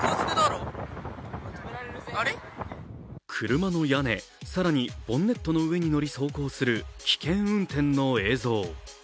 車の屋根、さらにボンネットの上に乗り走行する危険運転の映像。